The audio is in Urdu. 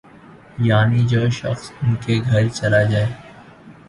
یعنی جو شخص ان کے گھر چلا جائے